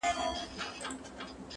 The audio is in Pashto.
• هر څه ته د غم سترګو ګوري او فکر کوي..